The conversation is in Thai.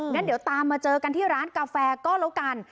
งั้นเดี๋ยวตามมาเจอกันที่ร้านกาแฟก็แล้วกัน